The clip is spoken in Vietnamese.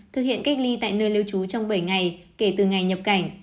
thực hiện cách ly tại nơi lưu trú trong bảy ngày kể từ ngày nhập cảnh